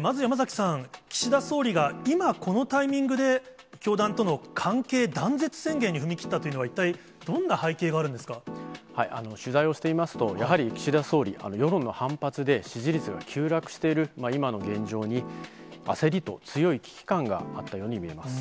まず山崎さん、岸田総理が今、このタイミングで、教団との関係断絶宣言に踏み切ったというのは一体、どんな背景が取材をしていますと、やはり岸田総理、世論の反発で支持率が急落している今の現状に、焦りと強い危機感があったように見えます。